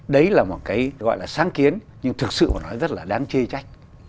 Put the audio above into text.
đấy là một cái gọi là sáng kiến nhưng thực sự nó rất là đáng chê trách